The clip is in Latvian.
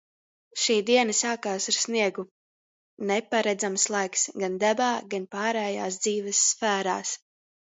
Šī diena sākās ar sniegu. Neparedzams laiks – gan dabā, gan pārējās dzīves sfērās.